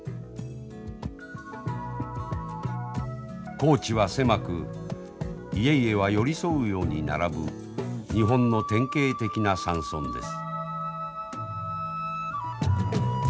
耕地は狭く家々は寄り添うように並ぶ日本の典型的な山村です。